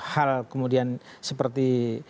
hal kemudian seperti